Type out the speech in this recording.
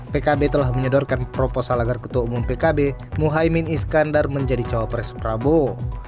pkb telah menyedorkan proposal agar ketua umum pkb muhaymin iskandar menjadi cawapres prabowo